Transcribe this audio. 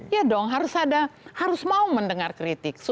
ya dong harus ada harus mau mendengar kritik